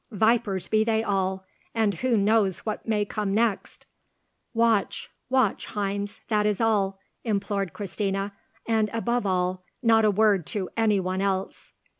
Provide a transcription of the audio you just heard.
"Vipers be they all, and who knows what may come next?" "Watch, watch, Heinz; that is all," implored Christina, "and, above all, not a word to any one else."